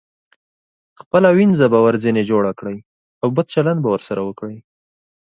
خپله وينځه به ورځنې جوړه کړئ او بد چلند به ورسره وکړئ.